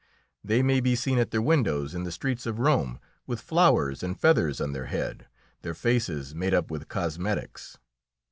They may be seen at their windows in the streets of Rome, with flowers and feathers on their head, their faces made up with cosmetics.